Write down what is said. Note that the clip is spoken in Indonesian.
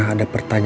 aku ingin berbohong